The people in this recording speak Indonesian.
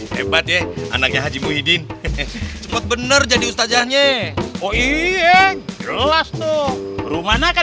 hebat ya anaknya haji muhyidin cepat bener jadi ustajanya oh iya jelas tuh rumahnya kan